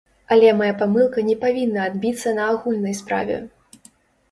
Але мая памылка не павінна адбіцца на агульнай справе.